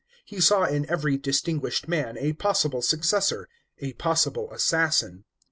He saw in every distinguished man a possible successor, a possible assassin.